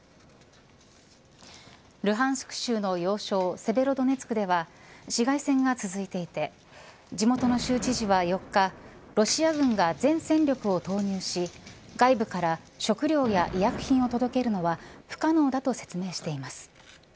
ルハンスク州の要衝セベロドネツクでは市街戦が続いていて地元の州知事は４日ロシア軍が全戦力を投入し外部から食料や医薬品を届けるのは不可能だと説明しています。